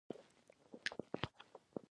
• د ساینسي پرمختګ بنسټ برېښنا ده.